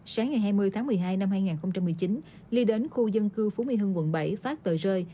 sáng ngày hai mươi tháng một mươi hai năm hai nghìn một mươi chín lee đến khu dân cư phú my hương quận bảy phát tờ rơi